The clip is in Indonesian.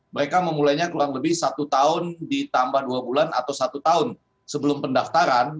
mereka memulainya kurang lebih satu tahun ditambah dua bulan atau satu tahun sebelum pendaftaran